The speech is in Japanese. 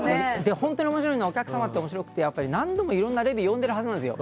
本当に面白いのは、お客様は何度もいろんなレビューを読んでいるはずなんですよ。